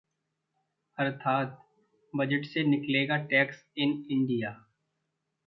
अर्थात्: बजट से निकलेगा 'टैक्स इन इंडिया'!